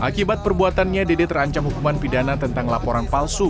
akibat perbuatannya dede terancam hukuman pidana tentang laporan palsu